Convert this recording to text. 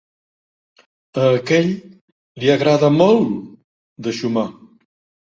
A aquell, li agrada molt de xumar.